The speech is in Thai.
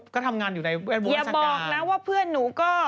ก็ทำงานอยู่ในแวดโว้นรัฐการณ์อย่าบอกนะว่าเพื่อนหนูก็